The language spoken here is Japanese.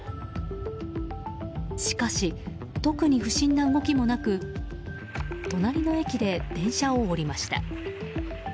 しかし、特に不審な動きもなく隣の駅で電車を降りました。